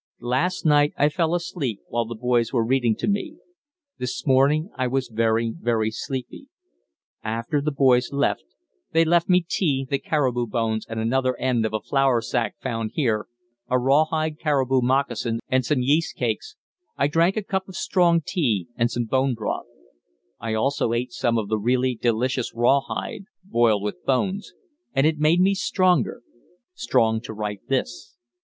Last night I fell asleep while the boys were reading to me. This morning I was very, very sleepy. After the boys left they left me tea, the caribou bones and another end of a flour sack found here, a rawhide caribou moccasin and some yeast cakes I drank a cup of strong tea and some bone broth. I also ate some of the really delicious rawhide (boiled with bones) and it made me stronger strong to write this.